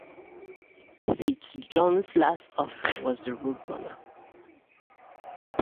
FitzJohn's last offering was the Roadrunner.